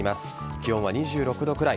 気温は２６度くらい。